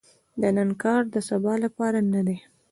د نن کار د سبا لپاره نه دي .